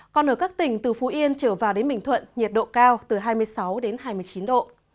còn ở các tỉnh từ phú yên trở vào đến bình thuận nhiệt độ cao từ hai mươi sáu đến hai mươi chín độ